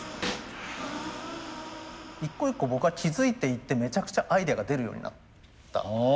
一個一個僕が気付いていってめちゃくちゃアイデアが出るようになった。